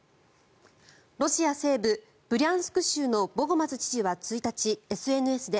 ロシア西部ブリャンスク州のボゴマズ知事は１日、ＳＮＳで